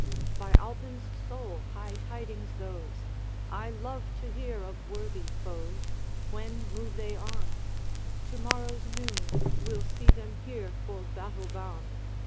'By Alpine's soul, high tidings those! I love to hear of worthy foes. When move they on?' 'To morrow's noon Will see them here for battle boune.'